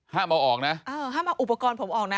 ห้ามเอาออกนะเออห้ามเอาอุปกรณ์ผมออกนะ